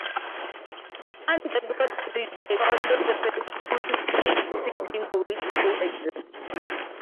On Jadwat Street, they founded the first school in Isipingo which still exists.